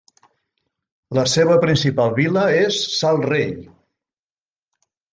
La seva principal vila és Sal Rei.